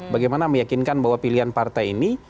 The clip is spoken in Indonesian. bagaimana meyakinkan bahwa pilihan partai ini